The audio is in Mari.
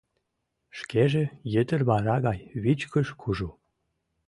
Шкеже йытыр вара гай вичкыж-кужу.